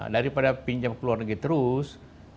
daripada pinjam ke luar negeri terus